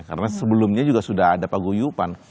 karena sebelumnya juga sudah ada pagu yupan